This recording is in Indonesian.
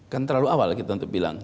kan terlalu awal kita untuk bilang